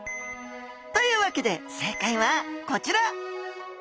というわけで正解はこちら！